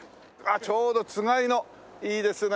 ちょうどつがいのいいですね